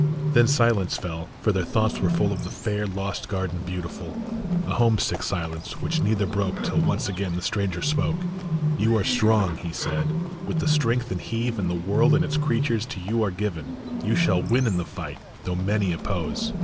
Then silence fell, for their thoughts were full Of the fair lost garden beautiful ; A homesick silence, which neither broke Till once again the stranger spoke : "You are strong," he said, "with the strength of heave And the world and its creatures to you are given ; You shall win in the fight, though many oppose.